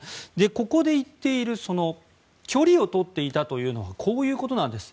ここで言っている距離をとっていたというのはこういうことなんです。